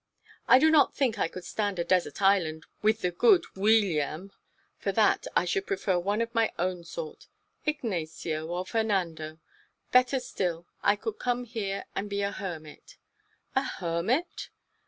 "I do not think I could stand a desert island with the good Weeliam. For that I should prefer one of my own sort Ignacio, or Fernando. Better still, I could come here and be a hermit." "A hermit?"